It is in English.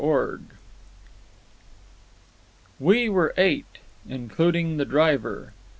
MIGGLES We were eight, including the driver.